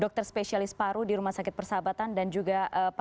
dokter spesialis paru di rumah sakit persahabatan dan juga pak